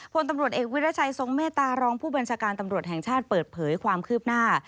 พลตำรวจเอกวิรัชัยทรงเมตตารองผู้บัญชาการตำรวจแห่งชาติเปิดเผยความคืบหน้า